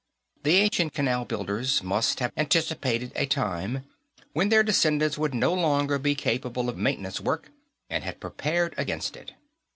The ancient Canal Builders must have anticipated a time when their descendants would no longer be capable of maintenance work, and had prepared against it.